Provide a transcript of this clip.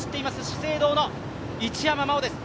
資生堂の一山麻緒です。